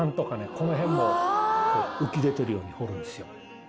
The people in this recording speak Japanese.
この辺も浮き出てるように彫るんですよ。